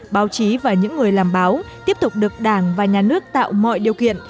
báo chí và những người làm báo tiếp tục được đảng và nhà nước tạo mọi điều kiện